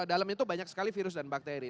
dalam itu banyak sekali virus dan bakteri